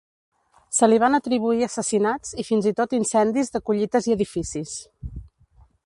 Se li van atribuir assassinats i fins i tot incendis de collites i edificis.